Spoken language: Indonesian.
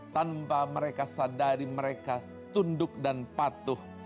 tanpa mereka sadari mereka tunduk dan patuh